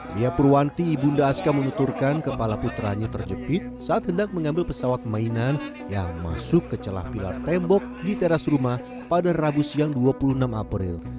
dia purwanti ibunda aska menuturkan kepala putranya terjepit saat hendak mengambil pesawat mainan yang masuk ke celah pilar tembok di teras rumah pada rabu siang dua puluh enam april